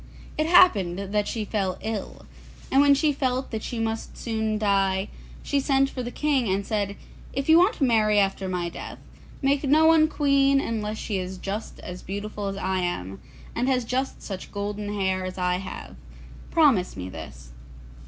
It happened that she fell ill, and when she felt that she must soon die, she sent for the King, and said, 'If you want to marry after my death, make no one queen unless she is just as beautiful as I am, and has just such golden hair as I have. Promise me this.